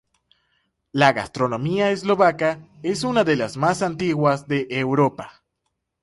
La gastronomía eslovaca es una de las más antiguas de Europa.